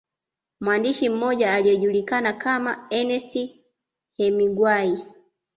Mwandishi mmoja aliyejulikana kama Ernest Hemingway